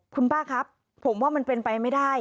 คุณป้าครับผมว่ามันเป็นไปไม่ได้